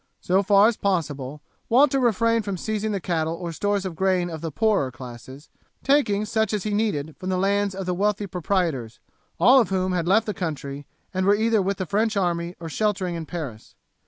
So far as possible, Walter refrained from seizing the cattle or stores of grain of the poorer classes, taking such as he needed from the lands of the wealthy proprietors, all of whom had left the country, and were either with the French army or sheltering in Paris.